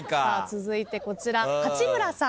続いてこちら八村さん。